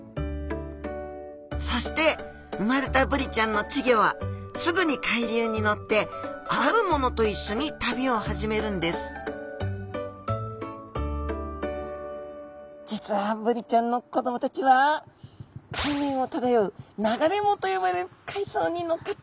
そして生まれたブリちゃんの稚魚はすぐに海流に乗ってあるものと一緒に旅を始めるんです実はブリちゃんの子供たちは海面を漂う流れ藻と呼ばれる海藻に乗っかって。